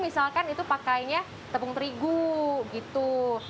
misalkan itu pakainya tepung terigu gitu